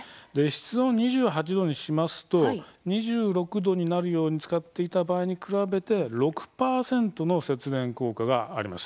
室温２８度にしますと２６度になるように使っていた場合に比べて６％の節電効果があります。